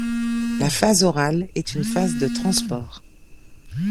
La phase orale est une phase de transport.